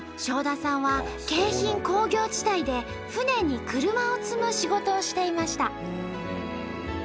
正田さんは京浜工業地帯で船に車を積む仕事をしていました。